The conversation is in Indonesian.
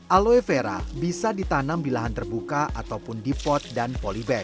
aloe vera bisa ditanam di lahan terbuka ataupun di pot dan polybag